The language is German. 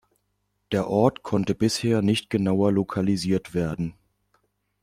Der Ort konnte bisher nicht genauer lokalisiert werden.